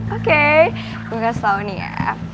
oke gue kasih tau nih ya